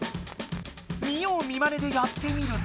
見よう見まねでやってみると？